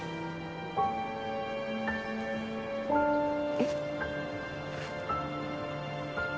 えっ？